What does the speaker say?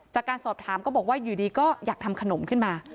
จากการสอบถามก็บอกว่าอยู่ดีก็อยากทำขนมขึ้นมา